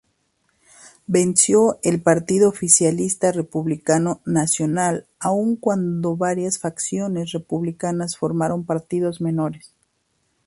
Venció el partido oficialista Republicano Nacional aún cuando varias facciones republicanas formaron partidos menores.